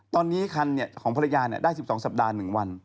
ตอนนี้คันของภรรยาได้๑๒สัปดาห์๑วัน